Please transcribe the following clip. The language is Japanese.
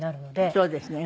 そうですね。